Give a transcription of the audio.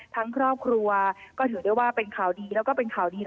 ครอบครัวก็ถือได้ว่าเป็นข่าวดีแล้วก็เป็นข่าวดี